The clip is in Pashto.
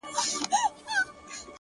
لوړ لید محدودیتونه کوچني ښيي.